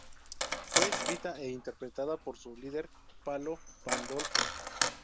Fue escrita e interpretada por su líder Palo Pandolfo.